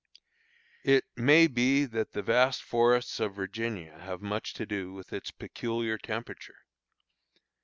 It may be that the vast forests of Virginia have much to do with its peculiar temperature.